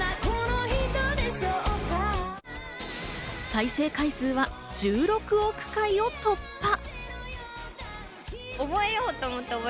再生回数は１６億回を突破。